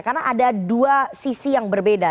karena ada dua sisi yang berbeda